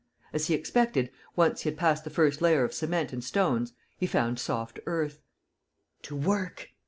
As he expected, once he had passed the first layer of cement and stones, he found soft earth: "To work!"